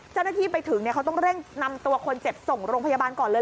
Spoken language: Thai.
เจ้าหน้าที่ไปถึงเขาต้องเร่งนำตัวคนเจ็บส่งโรงพยาบาลก่อนเลย